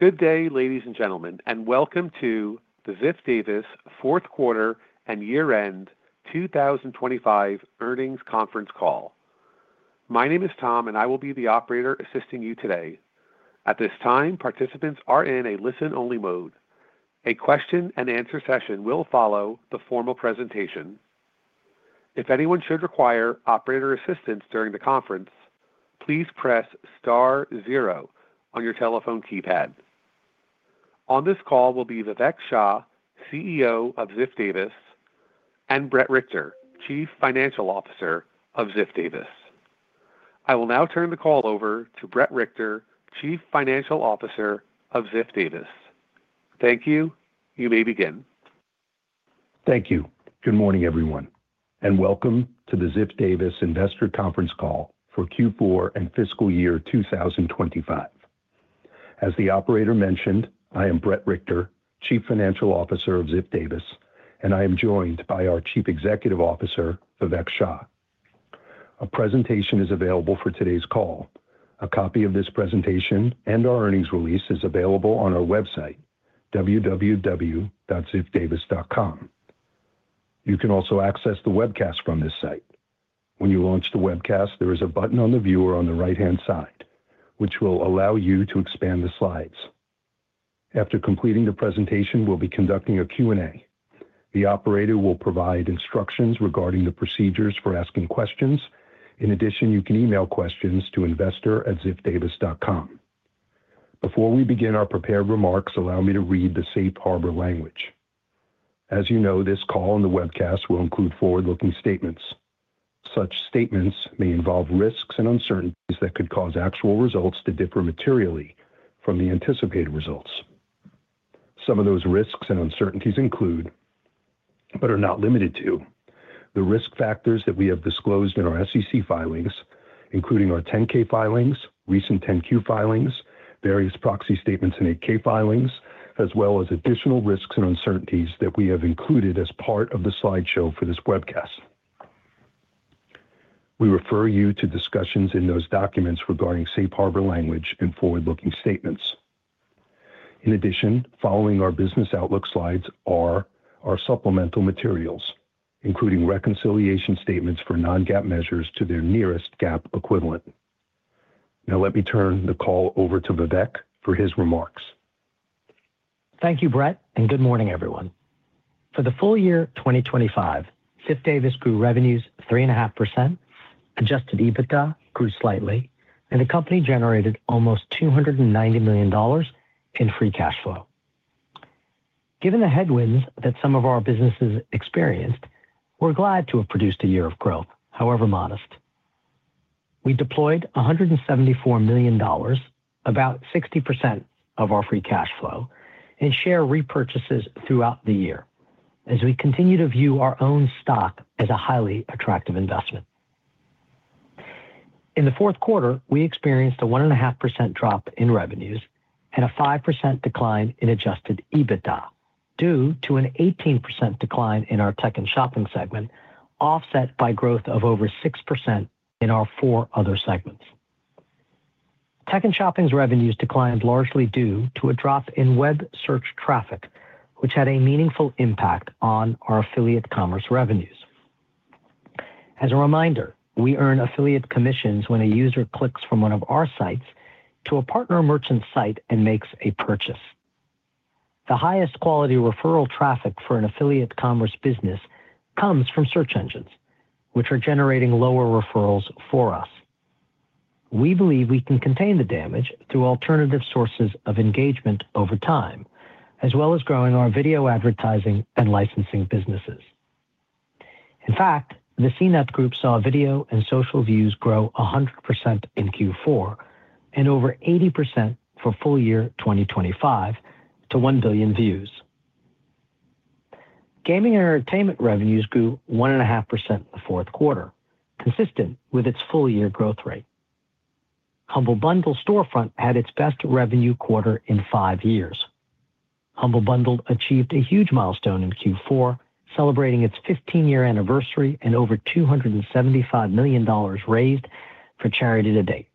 Good day, ladies and gentlemen, and welcome to the Ziff Davis fourth quarter and year-end 2025 earnings conference call. My name is Tom, and I will be the operator assisting you today. At this time, participants are in a listen-only mode. A question and answer session will follow the formal presentation. If anyone should require operator assistance during the conference, please press star zero on your telephone keypad. On this call will be Vivek Shah, CEO of Ziff Davis, and Bret Richter, Chief Financial Officer of Ziff Davis. I will now turn the call over to Bret Richter, Chief Financial Officer of Ziff Davis. Thank you. You may begin. Thank you. Good morning, everyone, welcome to the Ziff Davis Investor Conference Call for Q4 and fiscal year 2025. As the operator mentioned, I am Bret Richter, Chief Financial Officer of Ziff Davis, and I am joined by our Chief Executive Officer, Vivek Shah. A presentation is available for today's call. A copy of this presentation and our earnings release is available on our website, www.ziffdavis.com. You can also access the webcast from this site. When you launch the webcast, there is a button on the viewer on the right-hand side, which will allow you to expand the slides. After completing the presentation, we'll be conducting a Q&A. The operator will provide instructions regarding the procedures for asking questions. In addition, you can email questions to investor@ziffdavis.com. Before we begin our prepared remarks, allow me to read the safe harbor language. As you know, this call and the webcast will include forward-looking statements. Such statements may involve risks and uncertainties that could cause actual results to differ materially from the anticipated results. Some of those risks and uncertainties include, but are not limited to, the risk factors that we have disclosed in our SEC filings, including our 10-K filings, recent 10-Q filings, various proxy statements and 8-K filings, as well as additional risks and uncertainties that we have included as part of the slideshow for this webcast. We refer you to discussions in those documents regarding safe harbor language and forward-looking statements. In addition, following our business outlook slides are our supplemental materials, including reconciliation statements for non-GAAP measures to their nearest GAAP equivalent. Now, let me turn the call over to Vivek for his remarks. Thank you, Bret. Good morning, everyone. For the full year 2025, Ziff Davis grew revenues 3.5%, adjusted EBITDA grew slightly, and the company generated almost $290 million in free cash flow. Given the headwinds that some of our businesses experienced, we're glad to have produced a year of growth, however modest. We deployed $174 million, about 60% of our free cash flow, in share repurchases throughout the year as we continue to view our own stock as a highly attractive investment. In the fourth quarter, we experienced a 1.5% drop in revenues and a 5% decline in adjusted EBITDA due to an 18% decline in our Tech and Shopping segment, offset by growth of over 6% in our four other segments. Tech and Shopping's revenues declined largely due to a drop in web search traffic, which had a meaningful impact on our affiliate commerce revenues. As a reminder, we earn affiliate commissions when a user clicks from one of our sites to a partner merchant site and makes a purchase. The highest quality referral traffic for an affiliate commerce business comes from search engines, which are generating lower referrals for us. We believe we can contain the damage through alternative sources of engagement over time, as well as growing our video advertising and licensing businesses. In fact, the CNET Group saw video and social views grow 100% in Q4 and over 80% for full year 2025 to 1 billion views. Gaming and Entertainment revenues grew 1.5% in the fourth quarter, consistent with its full-year growth rate. Humble Bundle storefront had its best revenue quarter in five years. Humble Bundle achieved a huge milestone in Q4, celebrating its 15-year anniversary and over $275 million raised for charity to date.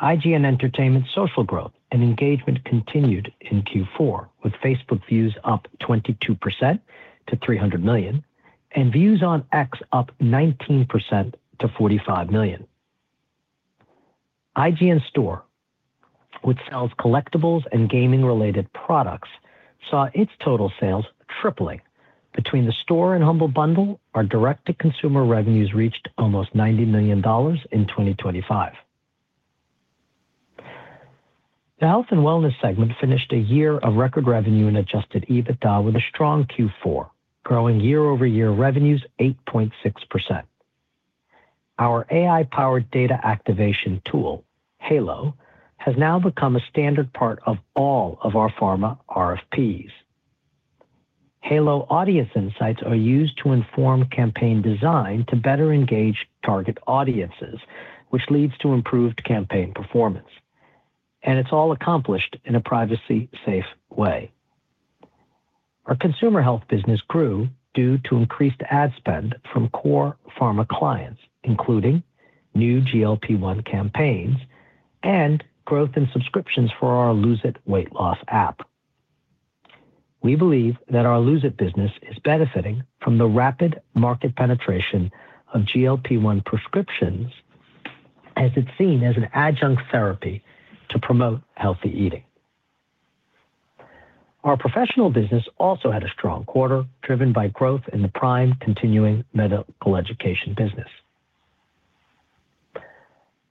IGN Entertainment social growth and engagement continued in Q4, with Facebook views up 22% to $300 million and views on X up 19% to $45 million. IGN Store, which sells collectibles and gaming-related products, saw its total sales tripling. Between the store and Humble Bundle, our direct-to-consumer revenues reached almost $90 million in 2025. The Health and Wellness segment finished a year of record revenue and Adjusted EBITDA with a strong Q4, growing year-over-year revenues 8.6%. Our AI-powered data activation tool, Halo, has now become a standard part of all of our pharma RFPs. Halo audience insights are used to inform campaign design to better engage target audiences, which leads to improved campaign performance, it's all accomplished in a privacy-safe way. Our consumer health business grew due to increased ad spend from core pharma clients, including new GLP-1 campaigns and growth in subscriptions for our Lose It! weight loss app. We believe that our Lose It! business is benefiting from the rapid market penetration of GLP-1 prescriptions as it's seen as an adjunct therapy to promote healthy eating. Our professional business also had a strong quarter, driven by growth in the PRIME Continuing Medical Education business.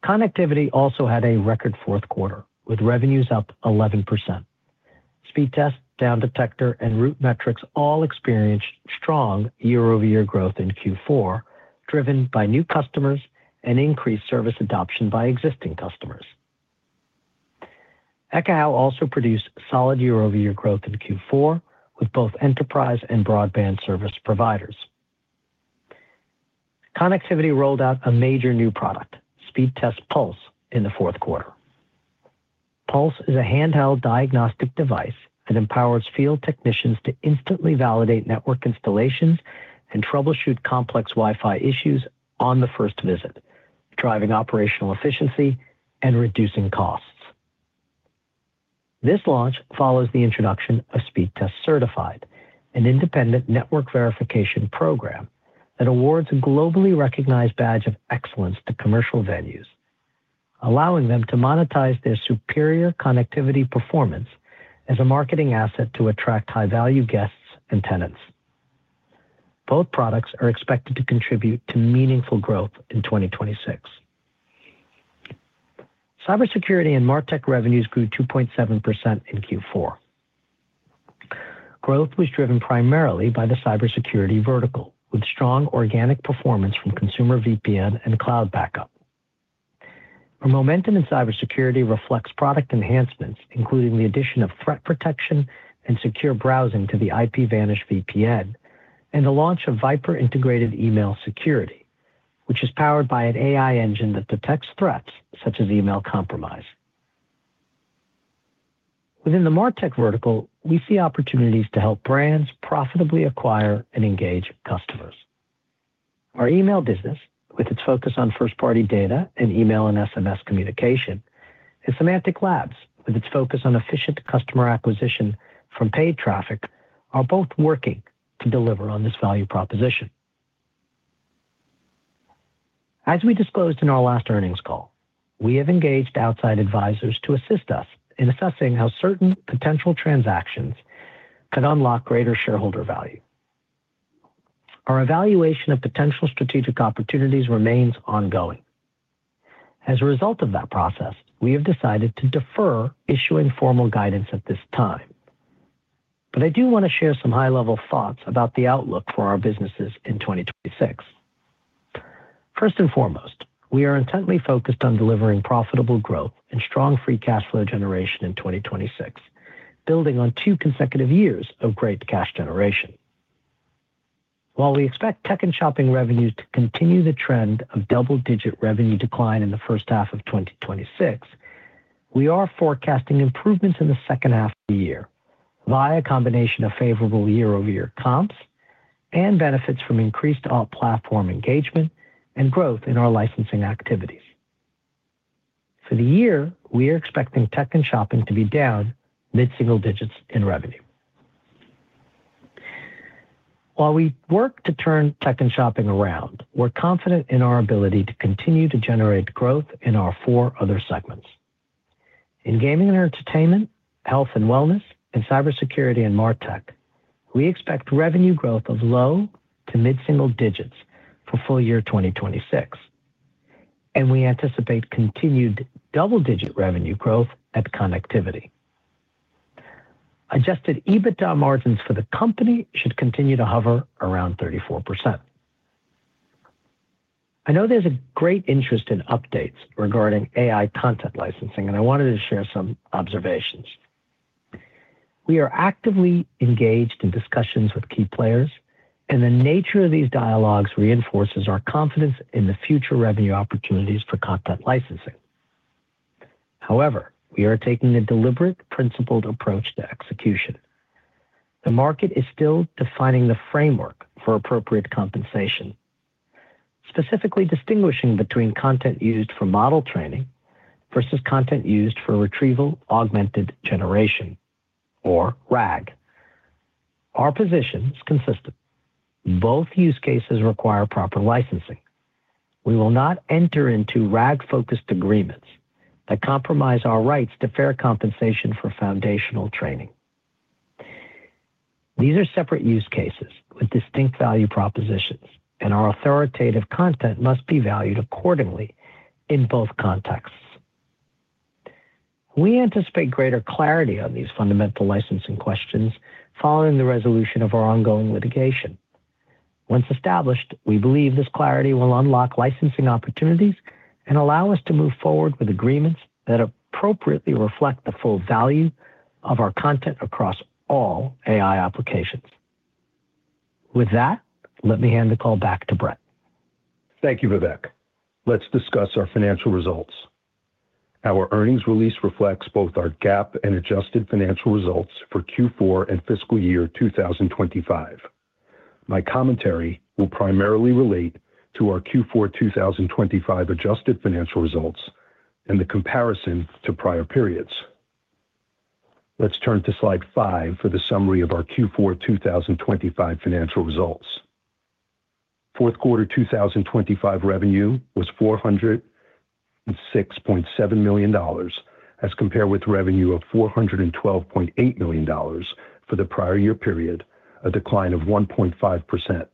Connectivity also had a record fourth quarter, with revenues up 11%. Speedtest, Downdetector, and RootMetrics all experienced strong year-over-year growth in Q4, driven by new customers and increased service adoption by existing customers. Ekahau also produced solid year-over-year growth in Q4, with both enterprise and broadband service providers. Connectivity rolled out a major new product, Speedtest Pulse, in the fourth quarter. Pulse is a handheld diagnostic device that empowers field technicians to instantly validate network installations and troubleshoot complex Wi-Fi issues on the first visit, driving operational efficiency and reducing costs. This launch follows the introduction of Speedtest Certified, an independent network verification program that awards a globally recognized badge of excellence to commercial venues, allowing them to monetize their superior connectivity performance as a marketing asset to attract high-value guests and tenants. Both products are expected to contribute to meaningful growth in 2026. Cybersecurity and MarTech revenues grew 2.7% in Q4. Growth was driven primarily by the cybersecurity vertical, with strong organic performance from consumer VPN and cloud backup. Our momentum in cybersecurity reflects product enhancements, including the addition of threat protection and secure browsing to the IPVanish VPN and the launch of VIPRE Integrated Email Security, which is powered by an AI engine that detects threats such as email compromise. Within the MarTech vertical, we see opportunities to help brands profitably acquire and engage customers. Our email business, with its focus on first-party data and email and SMS communication, and Semcasting, with its focus on efficient customer acquisition from paid traffic, are both working to deliver on this value proposition. As we disclosed in our last earnings call, we have engaged outside advisors to assist us in assessing how certain potential transactions could unlock greater shareholder value. Our evaluation of potential strategic opportunities remains ongoing. As a result of that process, we have decided to defer issuing formal guidance at this time. I do want to share some high-level thoughts about the outlook for our businesses in 2026. First and foremost, we are intently focused on delivering profitable growth and strong Free Cash Flow generation in 2026, building on 2 consecutive years of great cash generation. While we expect Tech and Shopping revenues to continue the trend of double-digit revenue decline in the first half of 2026, we are forecasting improvements in the second half of the year via a combination of favorable year-over-year comps and benefits from increased all-platform engagement and growth in our licensing activities. For the year, we are expecting Tech and Shopping to be down mid-single digits in revenue. While we work to turn Tech and Shopping around, we're confident in our ability to continue to generate growth in our 4 other segments. In Gaming and Entertainment, Health and Wellness, and Cybersecurity and MarTech, we expect revenue growth of low to mid-single digits for full year 2026. We anticipate continued double-digit revenue growth at Connectivity. Adjusted EBITDA margins for the company should continue to hover around 34%. I know there's a great interest in updates regarding AI content licensing. I wanted to share some observations. We are actively engaged in discussions with key players. The nature of these dialogues reinforces our confidence in the future revenue opportunities for content licensing. However, we are taking a deliberate, principled approach to execution. The market is still defining the framework for appropriate compensation, specifically distinguishing between content used for model training versus content used for retrieval-augmented generation, or RAG. Our position is consistent. Both use cases require proper licensing. We will not enter into RAG-focused agreements that compromise our rights to fair compensation for foundational training. These are separate use cases with distinct value propositions, and our authoritative content must be valued accordingly in both contexts. We anticipate greater clarity on these fundamental licensing questions following the resolution of our ongoing litigation. Once established, we believe this clarity will unlock licensing opportunities and allow us to move forward with agreements that appropriately reflect the full value of our content across all AI applications. With that, let me hand the call back to Bret. Thank you, Vivek. Let's discuss our financial results. Our earnings release reflects both our GAAP and Adjusted financial results for Q4 and fiscal year 2025. My commentary will primarily relate to our Q4 2025 Adjusted financial results and the comparison to prior periods. Let's turn to slide 5 for the summary of our Q4 2025 financial results. Fourth quarter 2025 revenue was $406.7 million, as compared with revenue of $412.8 million for the prior year period, a decline of 1.5%.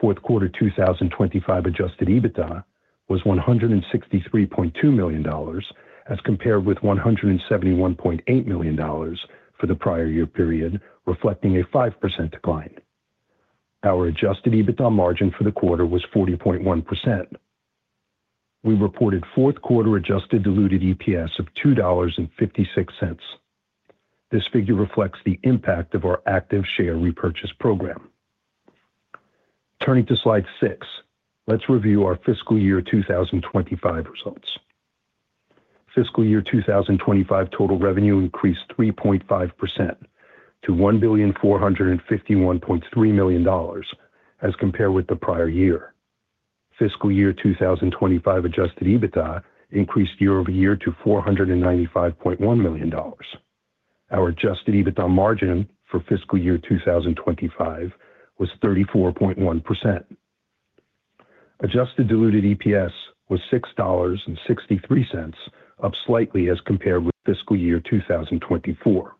Fourth quarter 2025 Adjusted EBITDA was $163.2 million, as compared with $171.8 million for the prior year period, reflecting a 5% decline. Our Adjusted EBITDA margin for the quarter was 40.1%. We reported fourth quarter adjusted diluted EPS of $2.56. This figure reflects the impact of our active share repurchase program. Turning to slide 6, let's review our fiscal year 2025 results. Fiscal year 2025 total revenue increased 3.5% to $1,451.3 million as compared with the prior year. Fiscal year 2025 Adjusted EBITDA increased year-over-year to $495.1 million. Our Adjusted EBITDA margin for fiscal year 2025 was 34.1%. adjusted diluted EPS was $6.63, up slightly as compared with fiscal year 2024.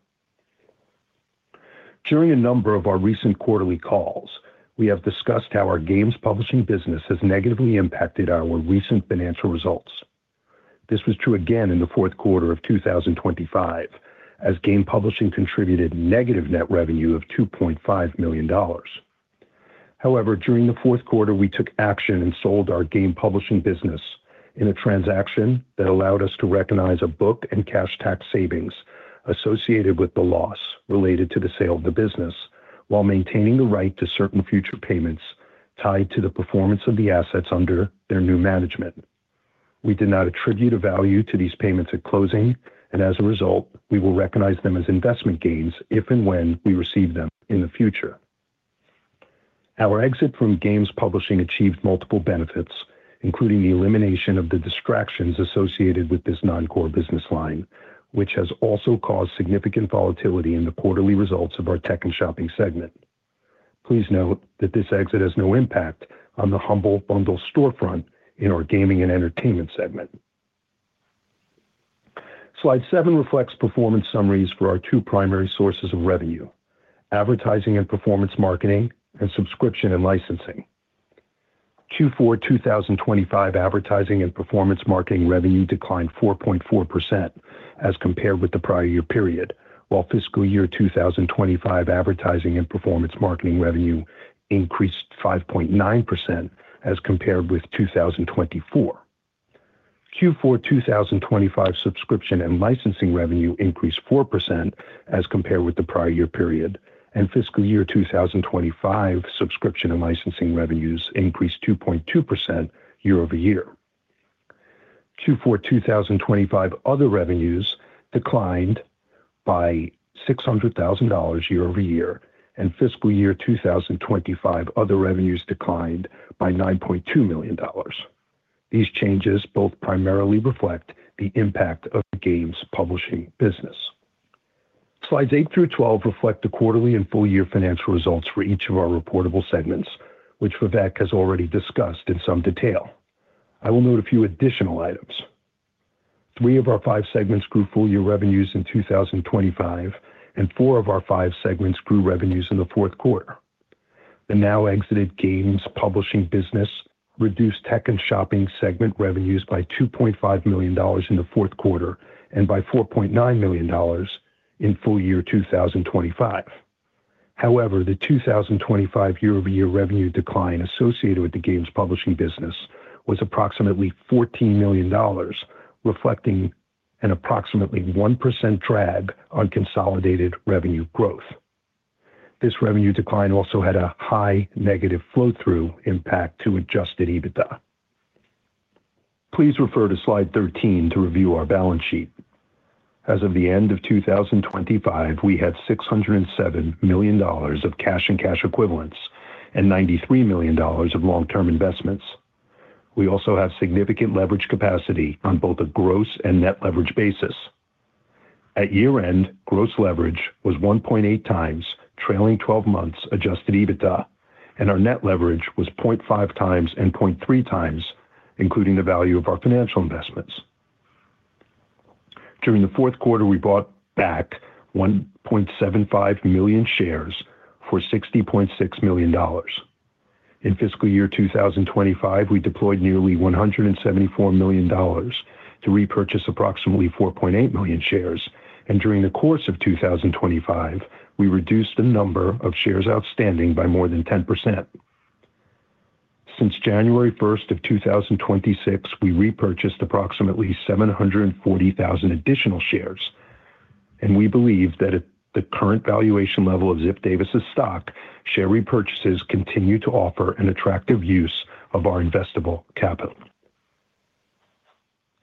During a number of our recent quarterly calls, we have discussed how our games publishing business has negatively impacted our recent financial results. This was true again in the fourth quarter of 2025, as game publishing contributed negative net revenue of -$2.5 million. However, during the fourth quarter, we took action and sold our game publishing business in a transaction that allowed us to recognize a book and cash tax savings associated with the loss related to the sale of the business, while maintaining the right to certain future payments tied to the performance of the assets under their new management. We did not attribute a value to these payments at closing. As a result, we will recognize them as investment gains if and when we receive them in the future. Our exit from games publishing achieved multiple benefits, including the elimination of the distractions associated with this non-core business line, which has also caused significant volatility in the quarterly results of our Tech and Shopping segment. Please note that this exit has no impact on the Humble Bundle storefront in our Gaming & Entertainment segment. Slide seven reflects performance summaries for our two primary sources of revenue: advertising and performance marketing, and subscription and licensing. Q4 2025 advertising and performance marketing revenue declined 4.4% as compared with the prior year period, while fiscal year 2025 advertising and performance marketing revenue increased 5.9% as compared with 2024. Q4 2025 subscription and licensing revenue increased 4% as compared with the prior year period. Fiscal year 2025, subscription and licensing revenues increased 2.2% year-over-year. Q4 2025 other revenues declined by $600,000 year-over-year. Fiscal year 2025, other revenues declined by $9.2 million. These changes both primarily reflect the impact of games publishing business. Slides 8 through 12 reflect the quarterly and full year financial results for each of our reportable segments, which Vivek has already discussed in some detail. I will note a few additional items. Three of our five segments grew full year revenues in 2025. Four of our five segments grew revenues in the fourth quarter. The now exited games publishing business reduced Tech and Shopping segment revenues by $2.5 million in the fourth quarter and by $4.9 million in full year 2025. The 2025 year-over-year revenue decline associated with the games publishing business was approximately $14 million, reflecting an approximately 1% drag on consolidated revenue growth. This revenue decline also had a high negative flow-through impact to Adjusted EBITDA. Please refer to slide 13 to review our balance sheet. As of the end of 2025, we had $607 million of cash and cash equivalents and $93 million of long-term investments. We also have significant leverage capacity on both a gross and net leverage basis. At year-end, gross leverage was 1.8 times, trailing 12 months Adjusted EBITDA, and our net leverage was 0.5 times and 0.3 times, including the value of our financial investments. During the fourth quarter, we bought back 1.75 million shares for $60.6 million. In fiscal year 2025, we deployed nearly $174 million to repurchase approximately 4.8 million shares, and during the course of 2025, we reduced the number of shares outstanding by more than 10%. Since January 1st of 2026, we repurchased approximately 740,000 additional shares, and we believe that at the current valuation level of Ziff Davis' stock, share repurchases continue to offer an attractive use of our investable capital.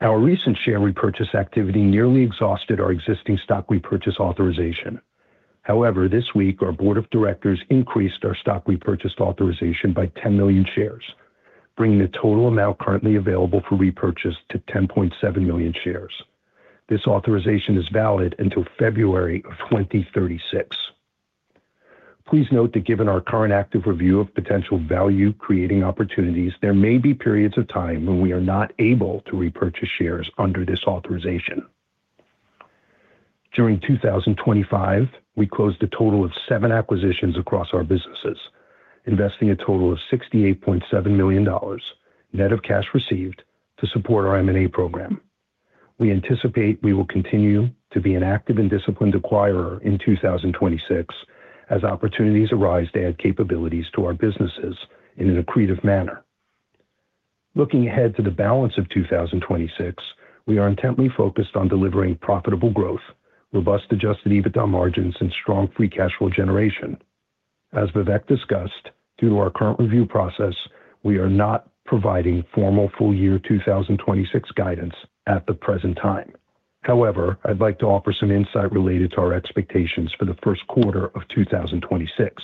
Our recent share repurchase activity nearly exhausted our existing stock repurchase authorization. This week, our board of directors increased our stock repurchase authorization by 10 million shares, bringing the total amount currently available for repurchase to 10.7 million shares. This authorization is valid until February of 2036. Please note that given our current active review of potential value-creating opportunities, there may be periods of time when we are not able to repurchase shares under this authorization. During 2025, we closed a total of 7 acquisitions across our businesses, investing a total of $68.7 million net of cash received to support our M&A program. We anticipate we will continue to be an active and disciplined acquirer in 2026 as opportunities arise to add capabilities to our businesses in an accretive manner. Looking ahead to the balance of 2026, we are intently focused on delivering profitable growth, robust Adjusted EBITDA margins, and strong Free Cash Flow generation. As Vivek discussed, due to our current review process, we are not providing formal full year 2026 guidance at the present time. I'd like to offer some insight related to our expectations for the Q1 of 2026.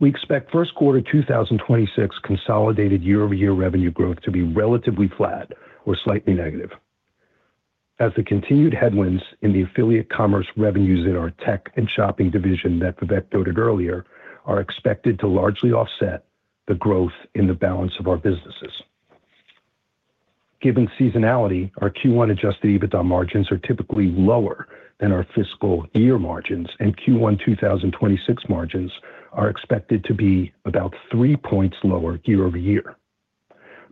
We expect Q1 2026 consolidated year-over-year revenue growth to be relatively flat or slightly negative, as the continued headwinds in the affiliate commerce revenues in our Tech and Shopping division that Vivek noted earlier are expected to largely offset the growth in the balance of our businesses. Given seasonality, our Q1 Adjusted EBITDA margins are typically lower than our fiscal year margins, and Q1 2026 margins are expected to be about 3 points lower year-over-year,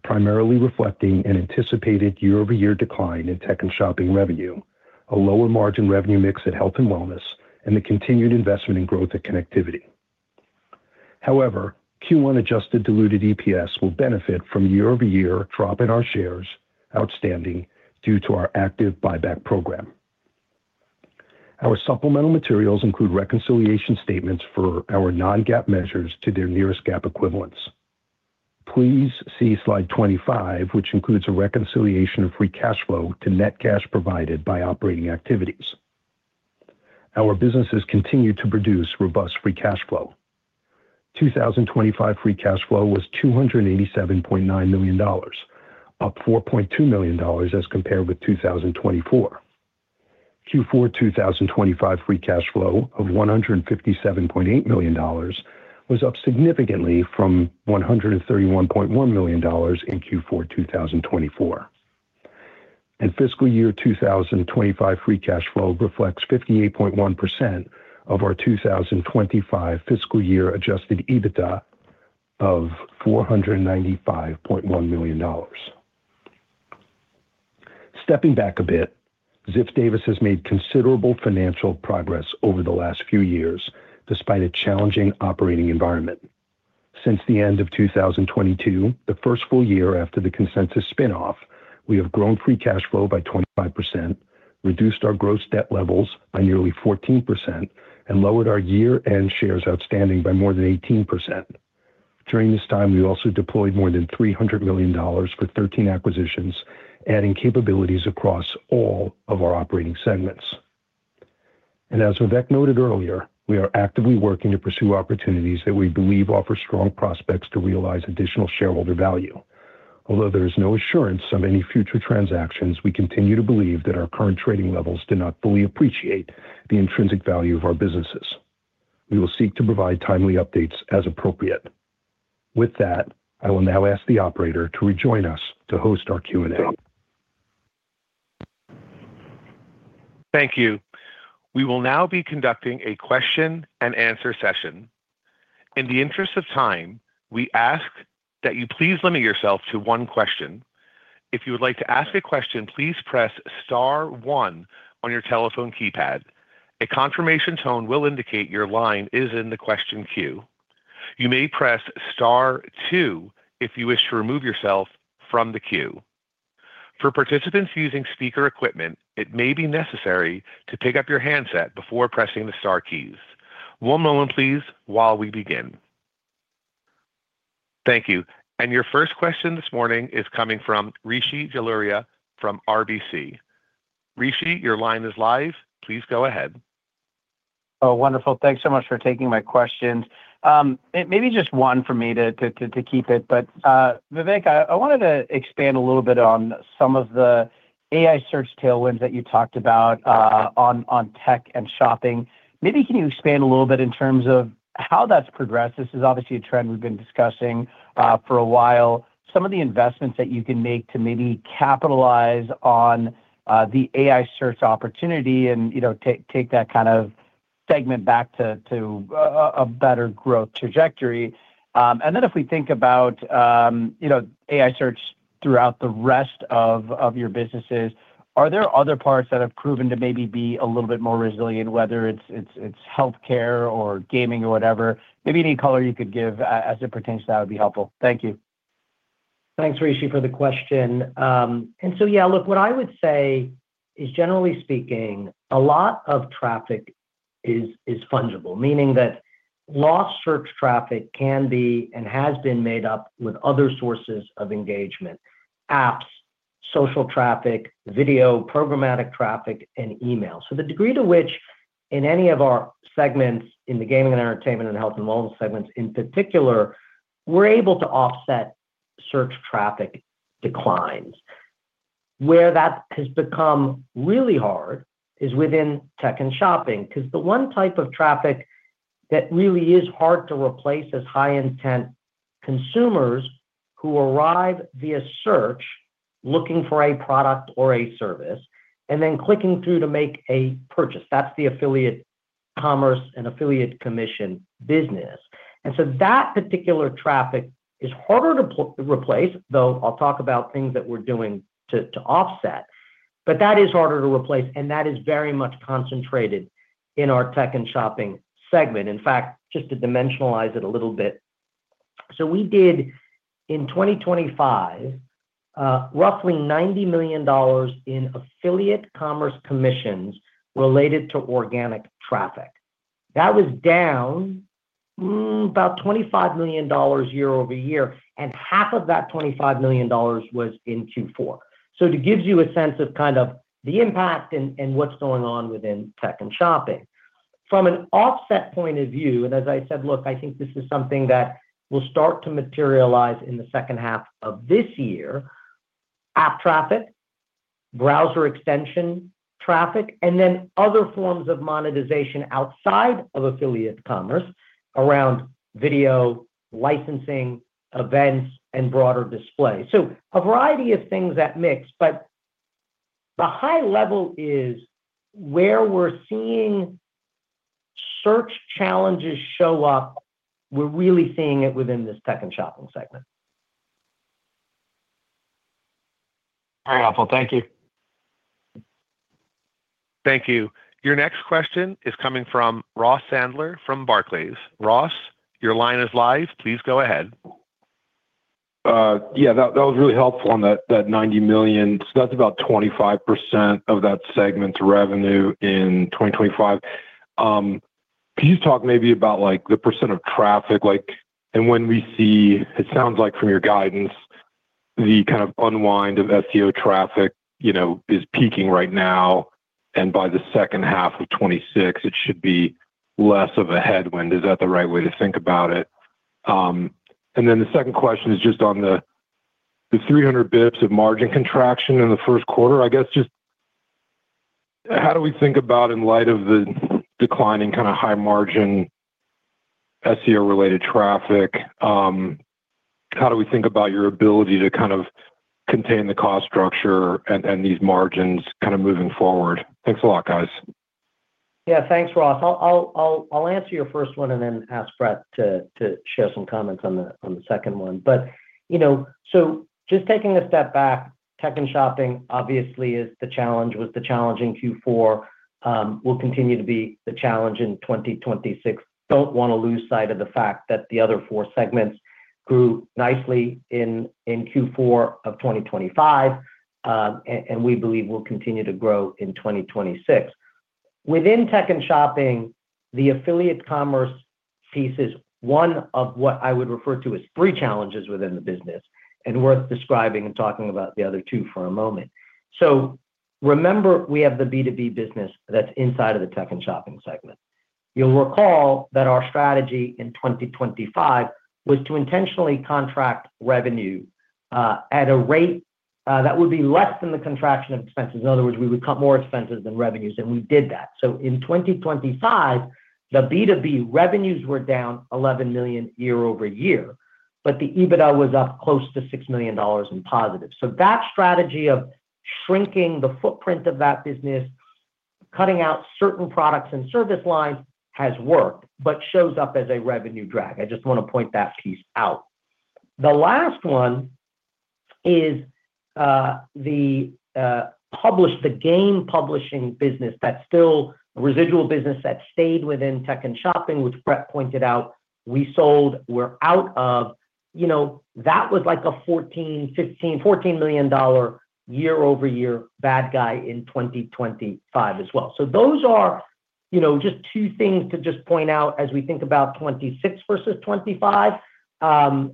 primarily reflecting an anticipated year-over-year decline in Tech and Shopping revenue, a lower margin revenue mix at Health & Wellness, and the continued investment in growth and Connectivity. Q1 adjusted diluted EPS will benefit from year-over-year drop in our shares outstanding due to our active buyback program. Our supplemental materials include reconciliation statements for our non-GAAP measures to their nearest GAAP equivalents. Please see slide 25, which includes a reconciliation of Free Cash Flow to net cash provided by operating activities. Our businesses continue to produce robust Free Cash Flow. 2025 Free Cash Flow was $287.9 million, up $4.2 million as compared with 2024. Q4 2025 Free Cash Flow of $157.8 million was up significantly from $131.1 million in Q4 2024. Fiscal year 2025 Free Cash Flow reflects 58.1% of our 2025 fiscal year Adjusted EBITDA of $495.1 million. Stepping back a bit, Ziff Davis has made considerable financial progress over the last few years, despite a challenging operating environment. Since the end of 2022, the first full year after the Consensus spin-off, we have grown Free Cash Flow by 25%, reduced our gross debt levels by nearly 14%, and lowered our year-end shares outstanding by more than 18%. During this time, we also deployed more than $300 million for 13 acquisitions, adding capabilities across all of our operating segments. As Vivek noted earlier, we are actively working to pursue opportunities that we believe offer strong prospects to realize additional shareholder value. Although there is no assurance of any future transactions, we continue to believe that our current trading levels do not fully appreciate the intrinsic value of our businesses. We will seek to provide timely updates as appropriate. With that, I will now ask the operator to rejoin us to host our Q&A. Thank you. We will now be conducting a question and answer session. In the interest of time, we ask that you please limit yourself to one question. If you would like to ask a question, please press star one on your telephone keypad. A confirmation tone will indicate your line is in the question queue. You may press star two if you wish to remove yourself from the queue. For participants using speaker equipment, it may be necessary to pick up your handset before pressing the star keys. One moment, please, while we begin. Thank you. Your first question this morning is coming from Rishi Jaluria from RBC. Rishi, your line is live. Please go ahead. Oh, wonderful. Thanks so much for taking my questions. Maybe just one for me to keep it, Vivek, I wanted to expand a little bit on some of the AI search tailwinds that you talked about on Tech and Shopping. Maybe can you expand a little bit in terms of how that's progressed? This is obviously a trend we've been discussing for a while. Some of the investments that you can make to maybe capitalize on the AI search opportunity and, you know, take that kind of segment back to a better growth trajectory. Then if we think about, you know, AI search... throughout the rest of your businesses, are there other parts that have proven to maybe be a little bit more resilient, whether it's healthcare or gaming or whatever? Maybe any color you could give as it pertains to that would be helpful. Thank you. Thanks, Rishi, for the question. Yeah, look, what I would say is, generally speaking, a lot of traffic is fungible, meaning that lost search traffic can be and has been made up with other sources of engagement: apps, social traffic, video, programmatic traffic, and email. The degree to which in any of our segments, in the Gaming & Entertainment and Health & Wellness segments in particular, we're able to offset search traffic declines. Where that has become really hard is within Tech and Shopping, 'cause the one type of traffic that really is hard to replace is high-intent consumers who arrive via search, looking for a product or a service, and then clicking through to make a purchase. That's the affiliate commerce and affiliate commission business. That particular traffic is harder to replace, though I'll talk about things that we're doing to offset, but that is harder to replace, and that is very much concentrated in our Tech and Shopping segment. In fact, just to dimensionalize it a little bit, we did, in 2025, roughly $90 million in affiliate commerce commissions related to organic traffic. That was down about $25 million year-over-year, and half of that $25 million was in Q4. It gives you a sense of kind of the impact and what's going on within Tech and Shopping. From an offset point of view, and as I said, look, I think this is something that will start to materialize in the second half of this year: app traffic, browser extension traffic, and then other forms of monetization outside of affiliate commerce around video licensing, events, and broader display. A variety of things that mix, but the high level is where we're seeing search challenges show up, we're really seeing it within this Tech and Shopping segment. Very helpful. Thank you. Thank you. Your next question is coming from Ross Sandler from Barclays. Ross, your line is live. Please go ahead. Yeah, that was really helpful on that $90 million. That's about 25% of that segment's revenue in 2025. Could you talk maybe about, like, the percent of traffic, like, and when we see... It sounds like from your guidance, the kind of unwind of SEO traffic, you know, is peaking right now, and by the second half of 2026, it should be less of a headwind. Is that the right way to think about it? The second question is just on the 300 basis points of margin contraction in the Q1. I guess, just how do we think about in light of the declining kinda high margin SEO-related traffic, how do we think about your ability to kind of contain the cost structure and these margins kind of moving forward? Thanks a lot, guys. Yeah. Thanks, Ross. I'll answer your first one and then ask Bret Richter to share some comments on the second one. You know, so just taking a step back, Tech and Shopping, obviously, is the challenge, was the challenge in Q4, will continue to be the challenge in 2026. Don't wanna lose sight of the fact that the other four segments grew nicely in Q4 of 2025, and we believe will continue to grow in 2026. Within Tech and Shopping, the affiliate commerce piece is one of what I would refer to as three challenges within the business, and worth describing and talking about the other two for a moment. Remember, we have the B2B business that's inside of the Tech and Shopping segment. You'll recall that our strategy in 2025 was to intentionally contract revenue at a rate that would be less than the contraction of expenses. In other words, we would cut more expenses than revenues, we did that. In 2025, the B2B revenues were down $11 million year-over-year, but the EBITDA was up close to $6 million in positive. That strategy of shrinking the footprint of that business, cutting out certain products and service lines, has worked, but shows up as a revenue drag. I just wanna point that piece out. The last one is the game publishing business that's still a residual business that stayed within Tech and Shopping, which Bret pointed out, we sold, we're out of. You know, that was like a $14 million, $15 million, $14 million year-over-year bad guy in 2025 as well. Those are, you know, just two things to just point out as we think about 2026 versus 2025,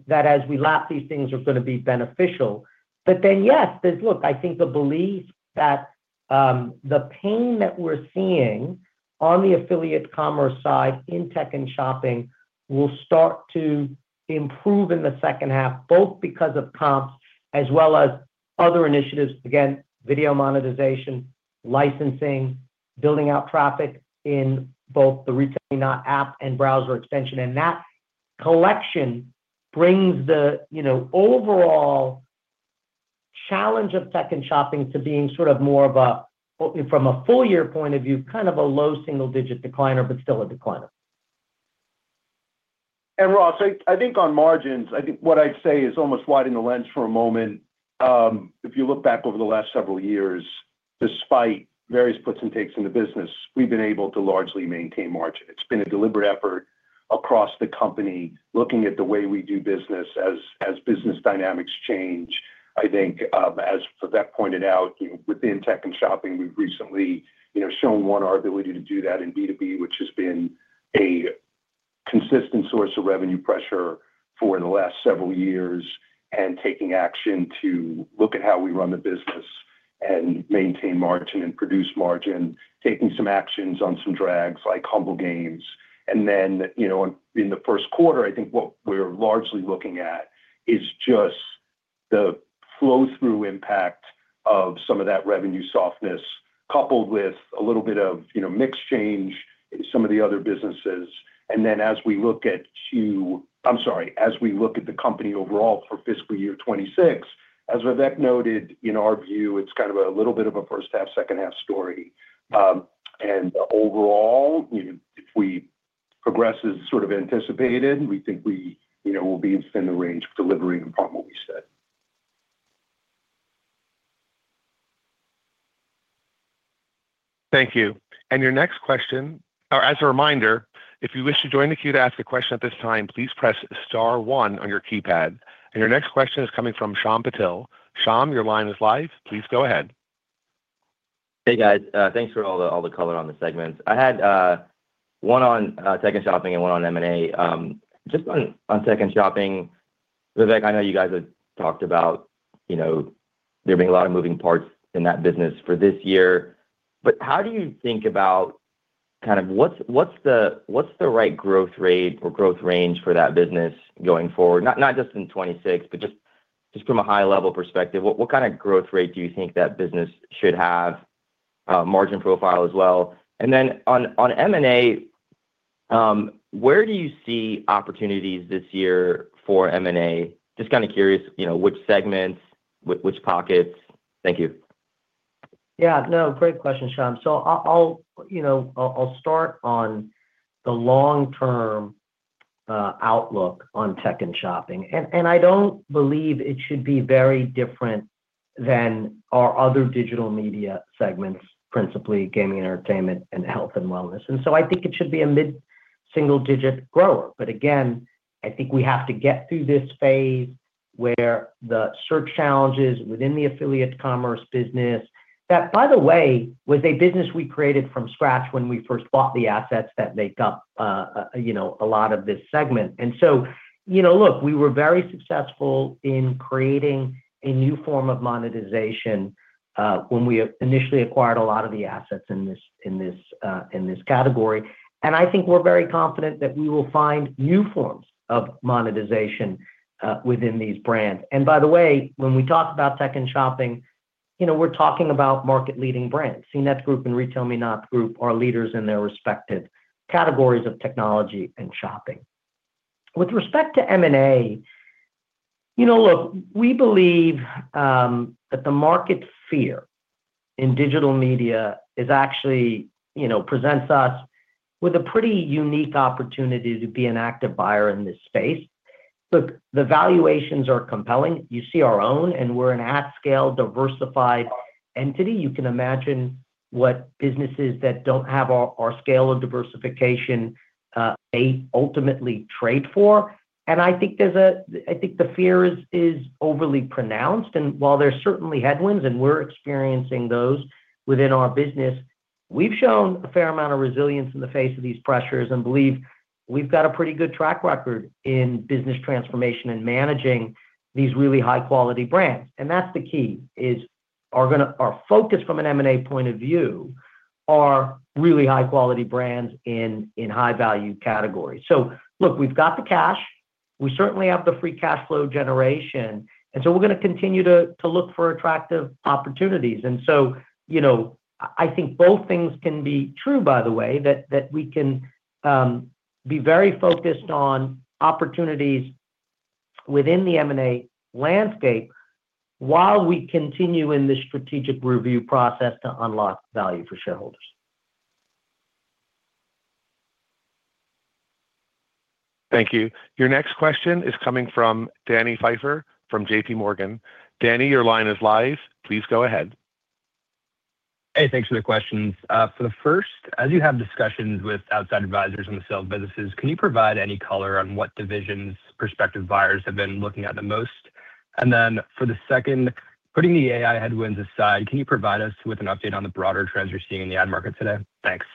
that as we lap, these things are gonna be beneficial. Yes, there's. Look, I think the belief that the pain that we're seeing on the affiliate commerce side in Tech and Shopping will start to improve in the second half, both because of comps as well as other initiatives, again, video monetization, licensing, building out traffic in both the uncertain and browser extension. That collection brings the, you know, overall challenge of Tech and Shopping to being sort of more of a, from a full year point of view, kind of a low single-digit decliner, but still a decliner. Ross, I think on margins, I think what I'd say is almost widening the lens for a moment. If you look back over the last several years, despite various puts and takes in the business, we've been able to largely maintain margin. It's been a deliberate effort across the company, looking at the way we do business as business dynamics change. I think, as Vivek pointed out, you know, within Tech and Shopping, we've recently, you know, shown one, our ability to do that in B2B, which has been a consistent source of revenue pressure for the last several years, and taking action to look at how we run the business and maintain margin and produce margin, taking some actions on some drags, like Humble Games. Then, you know, in the Q1, I think what we're largely looking at is just the flow-through impact of some of that revenue softness, coupled with a little bit of, you know, mix change in some of the other businesses. Then, as we look at, I'm sorry, as we look at the company overall for fiscal year 26, as Vivek noted, in our view, it's kind of a little bit of a first half, second half story. Overall, you know, if we progress as sort of anticipated, we think we, you know, will be within the range of delivering upon what we said. Thank you. As a reminder, if you wish to join the queue to ask a question at this time, please press star one on your keypad. Your next question is coming from Shyam Patil. Shyam, your line is live. Please go ahead. Hey, guys. thanks for all the color on the segments. I had one on Tech and Shopping and one on M&A. Just on Tech and Shopping, Vivek, I know you guys have talked about, you know, there being a lot of moving parts in that business for this year. How do you think about kind of what's the right growth rate or growth range for that business going forward? Not just in 26, but just from a high-level perspective, what kind of growth rate do you think that business should have, margin profile as well? On M&A, where do you see opportunities this year for M&A? Just kind of curious, you know, which segments, which pockets. Thank you. Yeah, no, great question, Shyam. I'll start on the long-term outlook on Tech and Shopping, and I don't believe it should be very different than our other digital media segments, principally Gaming & Entertainment and Health & Wellness. I think it should be a mid-single-digit grower. Again, I think we have to get through this phase where the search challenges within the affiliate commerce business, that, by the way, was a business we created from scratch when we first bought the assets that make up, you know, a lot of this segment. You know, look, we were very successful in creating a new form of monetization when we initially acquired a lot of the assets in this category. I think we're very confident that we will find new forms of monetization within these brands. By the way, when we talk about Tech and Shopping, you know, we're talking about market-leading brands. CNET Group and RetailMeNot Group are leaders in their respective categories of technology and shopping. With respect to M&A, you know, look, we believe that the market fear in digital media is actually, you know, presents us with a pretty unique opportunity to be an active buyer in this space. Look, the valuations are compelling. You see our own, and we're an at-scale, diversified entity. You can imagine what businesses that don't have our scale of diversification, they ultimately trade for. I think the fear is overly pronounced, and while there are certainly headwinds, and we're experiencing those within our business, we've shown a fair amount of resilience in the face of these pressures and believe we've got a pretty good track record in business transformation and managing these really high-quality brands. That's the key, is our focus from an M&A point of view are really high-quality brands in high-value categories. Look, we've got the cash. We certainly have the Free Cash Flow generation, and so we're gonna continue to look for attractive opportunities. You know, I think both things can be true, by the way, that we can be very focused on opportunities within the M&A landscape while we continue in this strategic review process to unlock value for shareholders. Thank you. Your next question is coming from Cory Carpenter from J.P. Morgan. Cory Carpenter, your line is live. Please go ahead. Hey, thanks for the questions. For the first, as you have discussions with outside advisors on the sale of businesses, can you provide any color on what divisions prospective buyers have been looking at the most? For the second, putting the AI headwinds aside, can you provide us with an update on the broader trends you're seeing in the ad market today? Thanks.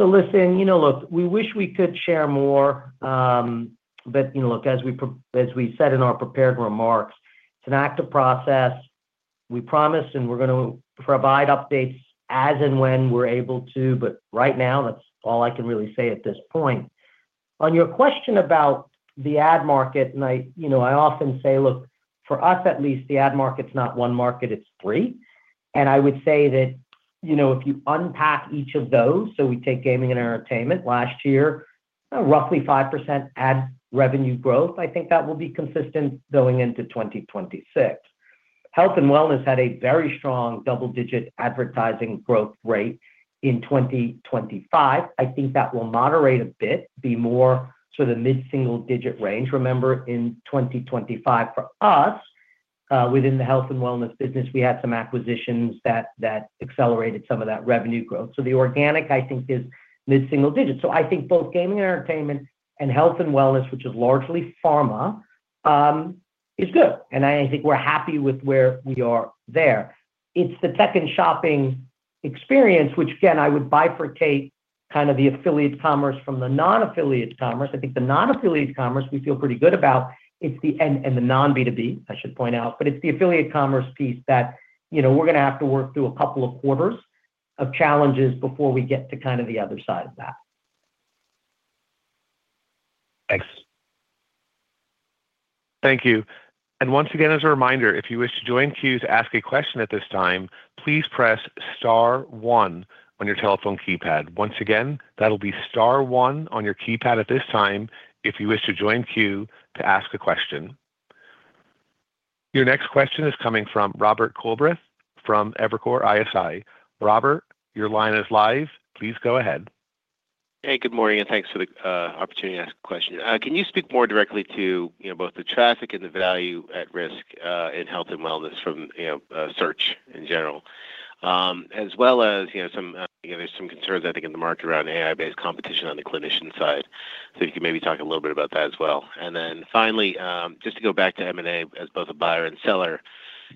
Listen, you know, look, we wish we could share more, but, you know, look, as we said in our prepared remarks, it's an active process. We promised, and we're gonna provide updates as and when we're able to, but right now, that's all I can really say at this point. On your question about the ad market, I, you know, I often say, look, for us, at least, the ad market's not one market, it's three. I would say that, you know, if you unpack each of those, we take Gaming & Entertainment last year, roughly 5% ad revenue growth. I think that will be consistent going into 2026. Health & Wellness had a very strong double-digit advertising growth rate in 2025. I think that will moderate a bit, be more sort of mid-single digit range. Remember, in 2025, for us, within the Health & Wellness business, we had some acquisitions that accelerated some of that revenue growth. The organic, I think, is mid-single digits. I think both Gaming & Entertainment and Health & Wellness, which is largely pharma, is good, and I think we're happy with where we are there. It's the Tech and Shopping experience, which again, I would bifurcate kind of the affiliate commerce from the non-affiliate commerce. I think the non-affiliate commerce, we feel pretty good about. The non-B2B, I should point out, but it's the affiliate commerce piece that, you know, we're gonna have to work through a couple of quarters of challenges before we get to kind of the other side of that. Thanks. Thank you. Once again, as a reminder, if you wish to join queue to ask a question at this time, please press star one on your telephone keypad. Once again, that'll be star one on your keypad at this time if you wish to join queue to ask a question. Your next question is coming from Robert Coolbrith, from Evercore ISI. Robert, your line is live. Please go ahead. Hey, good morning, thanks for the opportunity to ask a question. Can you speak more directly to, you know, both the traffic and the value at risk in Health & Wellness from, you know, search in general? As well as, you know, some, you know, there's some concerns, I think, in the market around AI-based competition on the clinician side. If you could maybe talk a little bit about that as well. Then finally, just to go back to M&A as both a buyer and seller,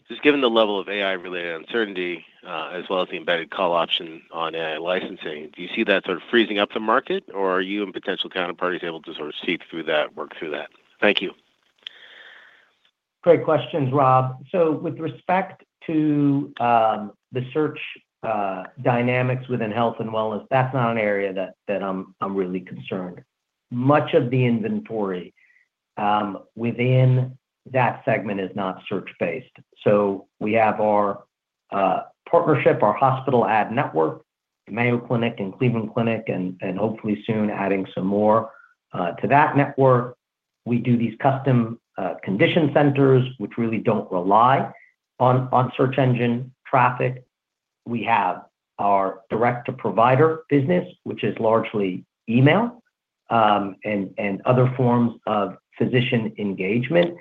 just given the level of AI-related uncertainty, as well as the embedded call option on AI licensing, do you see that sort of freezing up the market, or are you and potential counterparties able to sort of see through that, work through that? Thank you. Great questions, Rob. With respect to the search dynamics within health and wellness, that's not an area that I'm really concerned. Much of the inventory within that segment is not search-based. We have our partnership, our hospital ad network, the Mayo Clinic and Cleveland Clinic, and hopefully soon adding some more to that network. We do these custom condition centers, which really don't rely on search engine traffic. We have our direct-to-provider business, which is largely email, and other forms of physician engagement.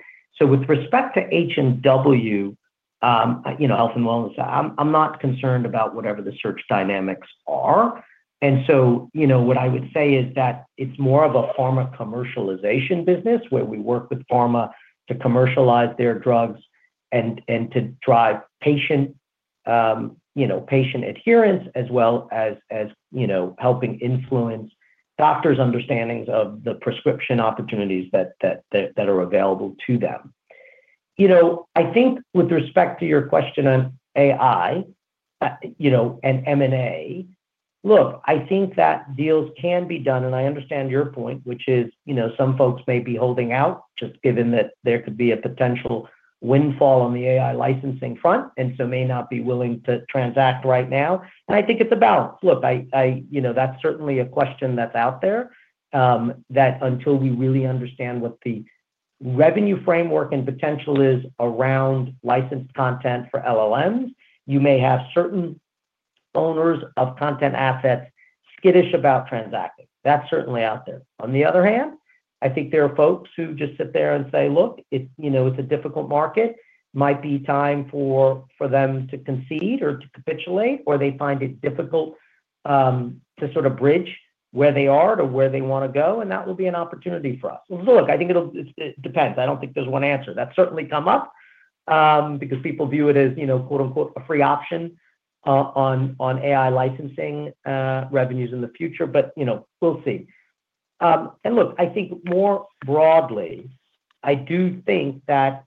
With respect to H&W, you know, health and wellness, I'm not concerned about whatever the search dynamics are. You know, what I would say is that it's more of a pharma commercialization business, where we work with pharma to commercialize their drugs and to drive patient, you know, patient adherence, as well as, you know, helping influence doctors' understandings of the prescription opportunities that are available to them. You know, I think with respect to your question on AI, you know, and M&A, look, I think that deals can be done, and I understand your point, which is, you know, some folks may be holding out, just given that there could be a potential windfall on the AI licensing front, and so may not be willing to transact right now. I think it's a balance. Look, I. You know, that's certainly a question that's out there, that until we really understand what the revenue framework and potential is around licensed content for LLMs, you may have certain owners of content assets skittish about transacting. That's certainly out there. On the other hand, I think there are folks who just sit there and say, "Look, it's, you know, it's a difficult market." Might be time for them to concede or to capitulate, or they find it difficult to sort of bridge where they are to where they wanna go, and that will be an opportunity for us. Look, I think it depends. I don't think there's one answer. That's certainly come up, because people view it as, you know, quote-unquote, "a free option," on AI licensing revenues in the future. You know, we'll see. Look, I think more broadly, I do think that,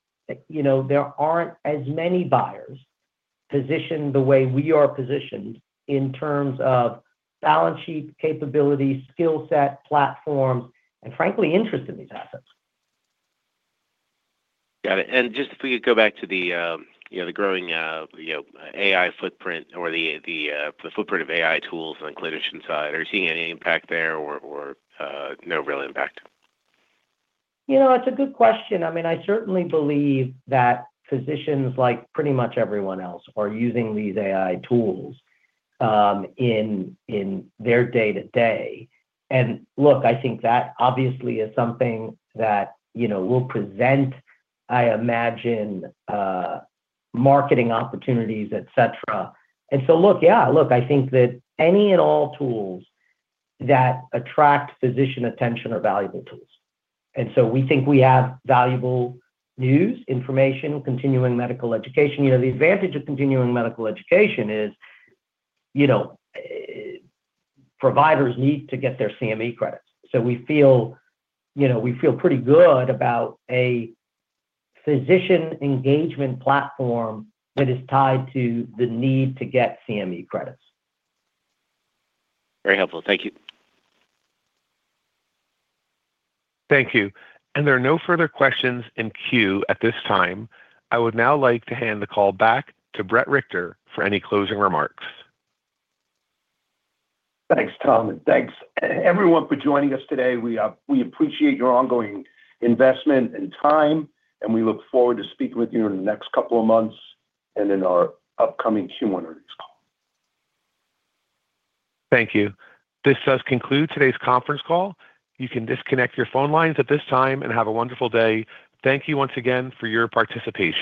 you know, there aren't as many buyers positioned the way we are positioned in terms of balance sheet capabilities, skill set, platform, and frankly, interest in these assets. Got it. Just if we could go back to the, you know, the growing, you know, AI footprint or the footprint of AI tools on the clinician side, are you seeing any impact there or, no real impact? You know, it's a good question. I mean, I certainly believe that physicians, like pretty much everyone else, are using these AI tools in their day-to-day. Look, I think that obviously is something that, you know, will present, I imagine, marketing opportunities, et cetera. Look, yeah, look, I think that any and all tools that attract physician attention are valuable tools. We think we have valuable news, information, continuing medical education. You know, the advantage of continuing medical education is, you know, providers need to get their CME credits. We feel, you know, we feel pretty good about a physician engagement platform that is tied to the need to get CME credits. Very helpful. Thank you. Thank you. There are no further questions in queue at this time. I would now like to hand the call back to Bret Richter for any closing remarks. Thanks, Tom, and thanks, everyone for joining us today. We appreciate your ongoing investment and time, and we look forward to speaking with you in the next couple of months and in our upcoming Q1 earnings call. Thank you. This does conclude today's conference call. You can disconnect your phone lines at this time and have a wonderful day. Thank you once again for your participation.